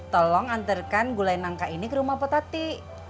tolong antarkan gulai nangka ini ke rumah potati